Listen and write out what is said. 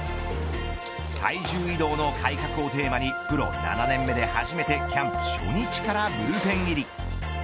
体重移動の改革をテーマにプロ７年目で初めてキャンプ初日からブルペン入り。